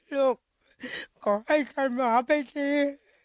ลูกขอให้ธันวาไปดี